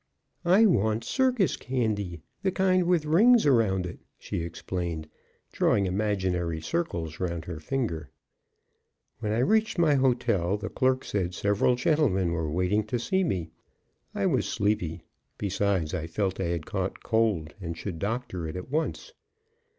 "I want circus candy, the kind with rings around it," she explained, drawing imaginary circles round her finger. When I reached my hotel the clerk said several gentlemen were waiting to see me. I was sleepy; besides, I felt I had caught cold and should doctor it at once.